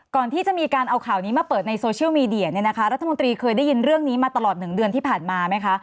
ก่อนที่จะมีการเอาข่าวนี้มาเปิดในโซเชียลมีเดียเนี่ยนะคะรัฐมนตรีเคยได้ยินเรื่องนี้มาตลอด๑เดือนที่ผ่านมาไหมคะ